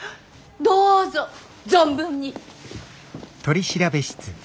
どうぞ存分に！